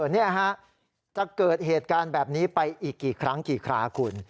นี่ฮะจะเกิดเหตุการณ์แบบนี้ไปอีกกี่ครั้งกี่คราคุณ